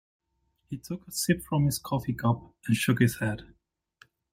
He took a sip from his coffee cup and shook his head.